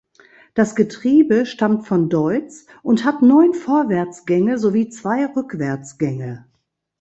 Das Getriebe stammt von Deutz und hat neun Vorwärtsgänge sowie zwei Rückwärtsgänge.